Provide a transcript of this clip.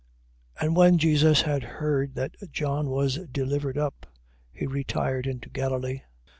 4:12. And when Jesus had heard that John was delivered up, he retired into Galilee: 4:13.